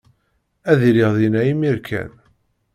Ad iliɣ dinna imir kan.